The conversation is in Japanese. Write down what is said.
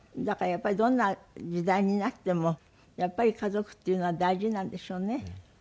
だからやっぱりどんな時代になってもやっぱり家族っていうのは大事なんでしょうね。